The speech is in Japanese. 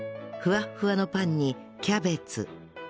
ふわっふわのパンにキャベツ